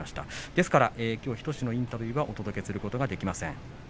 ですからきょう日翔志のインタビューはお届けすることができません。